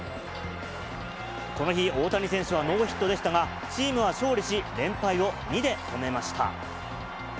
この日、大谷選手はノーヒットでしたが、チームは勝利し、連敗を２で止めました。